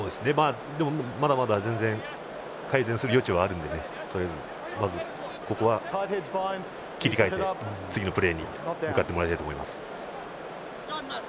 でも、まだまだ全然改善する余地はあるのでとりあえずまずここは切り替えて次のプレーに向かってもらいたいと思います。